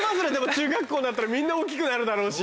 中学校なったらみんな大っきくなるだろうし。